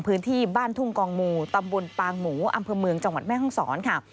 พื้นที่บ้านทุ่งกองหมู่ตำบลปางหมูอำเภอเมืองจังหวัดแม่ห้องศรค่ะ